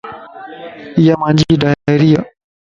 ايا مانجي ڊائري ا